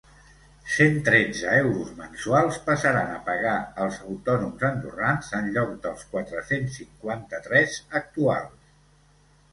Cent tretze euros mensuals passaran a pagar els autònoms andorrans en lloc dels quatre-cents cinquanta-tres actuals.